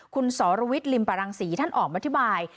คุณสรวิทย์ริมปรังศรีท่านออกมาอธิบาย